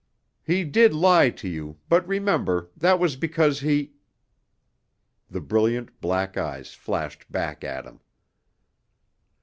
He did lie to you, but remember, that was because he " The brilliant black eyes flashed back at him.